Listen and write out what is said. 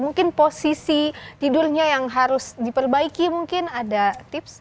mungkin posisi tidurnya yang harus diperbaiki mungkin ada tips